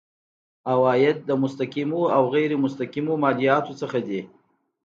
عواید د مستقیمو او غیر مستقیمو مالیاتو څخه دي.